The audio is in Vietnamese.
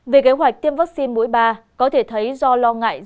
về kế hoạch tiêm vaccine mũi ba có thể thấy do lo ngại